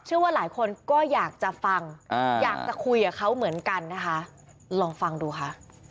เชื่อว่าหลายคนก็อยากจะฟังอยากจะคุยกับเขาเหมือนกันนะคะลองฟังดูค่ะ